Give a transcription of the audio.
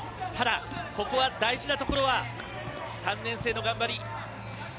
ただ、ここは大事なところは３年生の頑張り。